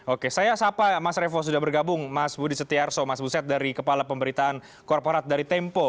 oke saya sapa mas revo sudah bergabung mas budi setiarso mas buset dari kepala pemberitaan korporat dari tempo